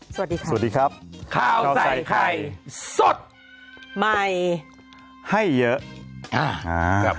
สวัสดีครับ